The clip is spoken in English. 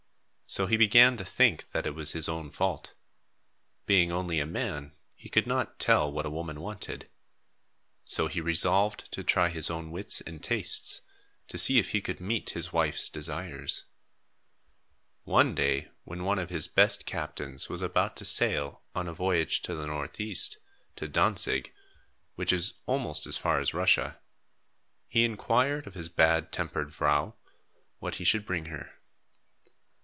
So he began to think that it was his own fault. Being only a man, he could not tell what a woman wanted. So he resolved to try his own wits and tastes, to see if he could meet his wife's desires. One day, when one of his best captains was about to sail on a voyage to the northeast, to Dantzig, which is almost as far as Russia, he inquired of his bad tempered vrouw what he should bring her.